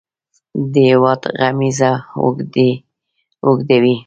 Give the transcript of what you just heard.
د هیواد غمیزه اوږدوي.